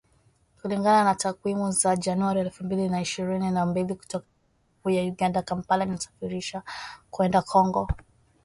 Kulingana na takwimu za Januari elfu mbili na ishirini na mbili kutoka Benki Kuu ya Uganda, Kampala inasafirisha kwenda Kongo